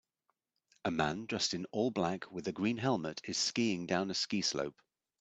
A man dressed in all black with a green helmet is skiing down a ski slope.